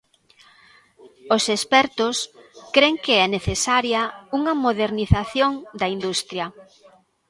Os expertos cren que é necesaria unha modernización da industria.